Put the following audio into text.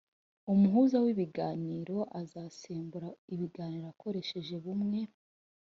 umuhuza w ibiganiro azasembura ibiganiro akoresheje bumwe